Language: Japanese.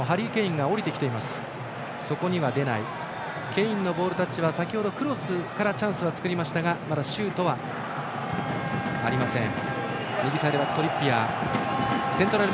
ケインのボールタッチは先ほどクロスからチャンスは作りましたがまだシュートはありません。